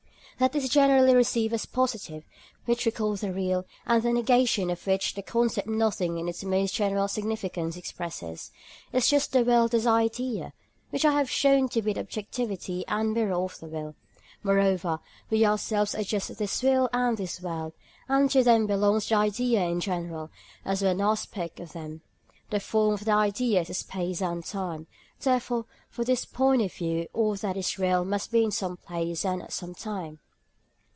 That which is generally received as positive, which we call the real, and the negation of which the concept nothing in its most general significance expresses, is just the world as idea, which I have shown to be the objectivity and mirror of the will. Moreover, we ourselves are just this will and this world, and to them belongs the idea in general, as one aspect of them. The form of the idea is space and time, therefore for this point of view all that is real must be in some place and at some time.